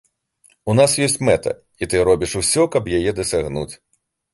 У нас ёсць мэта, і ты робіш усё, каб яе дасягнуць.